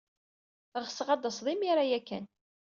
Ɣseɣ ad d-tased imir-a ya kan.